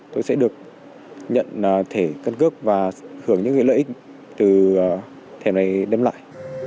tôi sẽ được nhận thể cân cước và hưởng những lợi ích từ thẻm này đem lại